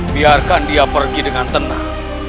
biarkan dia pergi dengan tenang